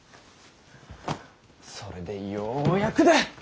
それでようやくだ。